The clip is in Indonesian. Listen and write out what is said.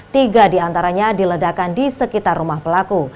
tiga di antaranya diledakan di sekitar rumah pelaku